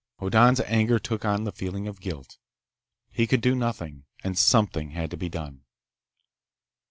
Hoddan's anger took on the feeling of guilt. He could do nothing, and something had to be done.